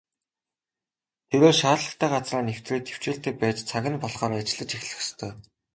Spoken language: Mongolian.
Тэрээр шаардлагатай газраа нэвтрээд тэвчээртэй байж цаг нь болохоор ажиллаж эхлэх ёстой.